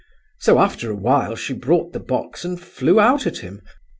So after awhile she brought the box and flew out at him.